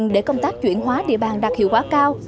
để công tác chuyển hóa địa bàn đạt hiệu quả cao